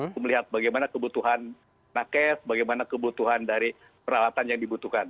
untuk melihat bagaimana kebutuhan nakes bagaimana kebutuhan dari peralatan yang dibutuhkan